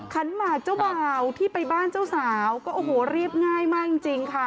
ขันหมากเจ้าบ่าวที่ไปบ้านเจ้าสาวก็โอ้โหเรียบง่ายมากจริงค่ะ